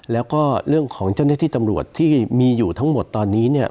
แล้วก็เรื่องของเจ้าหน้าที่ตำรวจที่มีอยู่ทั้งหมดตอนนี้เนี่ย